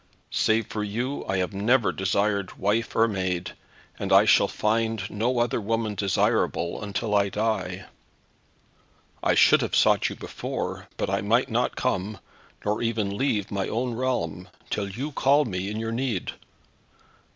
Save for you I have never desired wife or maid, and I shall find no other woman desirable, until I die. I should have sought you before, but I might not come, nor even leave my own realm, till you called me in your need.